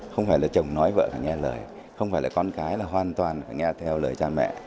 không phải là chồng nói vợ phải nghe lời không phải là con cái là hoàn toàn phải nghe theo lời cha mẹ